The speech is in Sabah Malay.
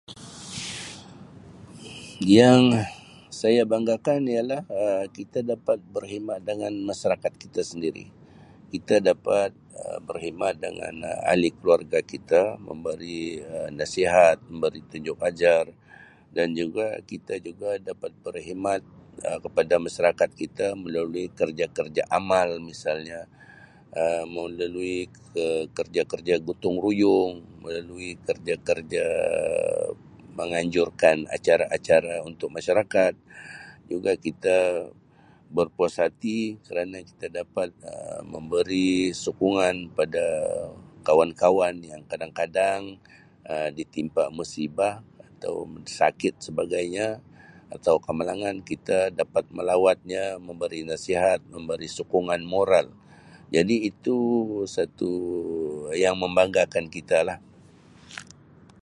Yang saya banggakan ialah Um kita dapat berkhidmat dengan masyarakat kita sendiri kita dapat Um berkhidmat dengan ahli keluarga kita memberi Um nasihat memberi tunjuk ajar dan juga kita juga dapat berkhidmat Um kepada masyarakat kita melalui kerja-kerja amal misalnya Um melalui ke-kerja-kerja gotong-royong, melalui kerja-kerja menganjurkan acara-acara untuk masyarakat juga kita berpuas hati kerana kita dapat Um memberi sokongan pada kawan-kawan yang kadang-kadang Um ditimpa musibah atau sakit sebagainya atau kemalangan kita dapat melawatnya memberi nasihat memberi sokongan moral jadi itu satu yang membanggakan kita lah.